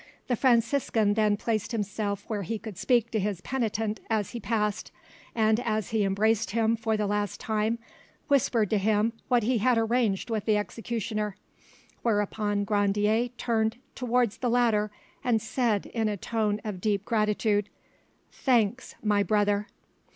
The Franciscan then placed himself where he could speak to his penitent as he passed, and as he embraced him for the last time, whispered to him what he had arranged with the executioner, whereupon Grandier turned towards the latter and said in a tone of deep gratitude— "Thanks, my brother."